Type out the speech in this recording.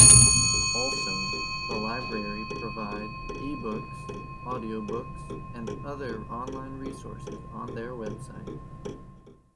Also, the library provide E-Books, Audiobooks, and other online resources on their website.